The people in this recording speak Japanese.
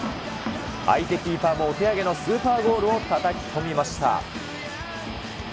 相手キーパーもお手上げのスーパーゴールをたたき込みました。